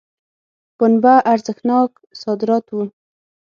پنبه ارزښتناک صادرات وو.